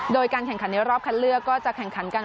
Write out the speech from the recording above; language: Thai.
โดยการแข่งขันในรอบคัดเลือกก็จะแข่งขันกัน